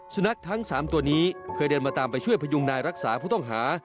สุนัขทั้ง๓ตัวนี้เคยเดินมาตามไปช่วยพยุงนายรักษาผู้ต้องหา